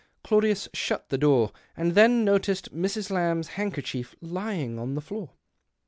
Claudius shut the door, and then noticed Mrs. Lamb's handkerchief lying on the floor.